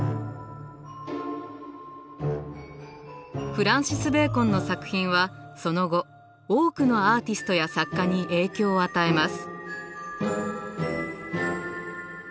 フランシス・ベーコンの作品はその後多くのアーティストや作家に影響を与えます。